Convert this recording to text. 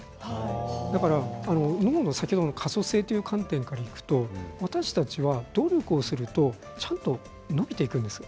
だから脳の可塑性という観点からいくと私たちは努力をするとちゃんと伸びていくんです。